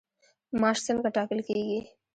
معاش څنګه ټاکل کیږي؟